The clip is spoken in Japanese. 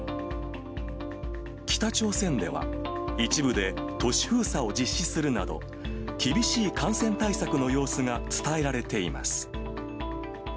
北朝鮮では、一部で都市封鎖を実施するなど、厳しい感染対策の様子が伝えられています。